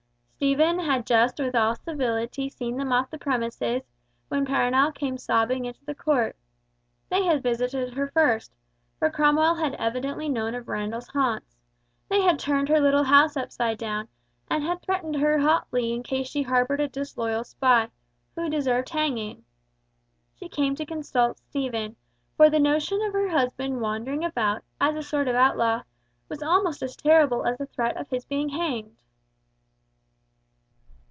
Stephen had just with all civility seen them off the premises when Perronel came sobbing into the court. They had visited her first, for Cromwell had evidently known of Randall's haunts; they had turned her little house upside down, and had threatened her hotly in case she harboured a disloyal spy, who deserved hanging. She came to consult Stephen, for the notion of her husband wandering about, as a sort of outlaw, was almost as terrible as the threat of his being hanged.